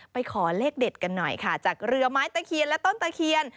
ขอเลขเด็ดกันหน่อยค่ะจากเรือไม้ตะเคียนและต้นตะเคียน